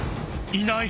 いない！